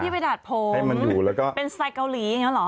ให้ดาดโผงเป็นสไตล์เกาหลีอย่างนั้นหรอ